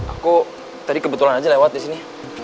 aku tadi kebetulan aja lewat di sini